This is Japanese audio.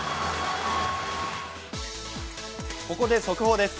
ここで速報です。